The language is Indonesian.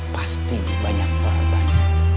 pasti banyak terbang